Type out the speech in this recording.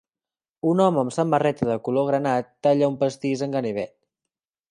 Un home amb samarreta de color granat talla un pastís amb ganivet.